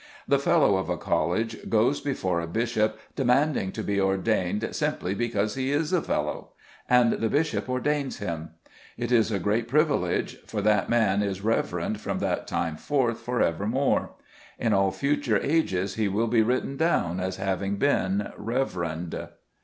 The fellow of a college goes before a bishop demanding to be ordained simply because he is a fellow, and the bishop ordains him. It is a great privilege, for that man is Reverend from that time forth for evermore. In all future ages he will be written down as having been Reverend.